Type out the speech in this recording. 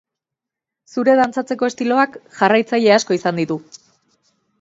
Zure dantzatzeko estiloak jarraitzaile asko izan ditu.